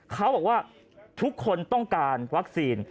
เขาบอกว่าทุกคนต้องการวัคซีน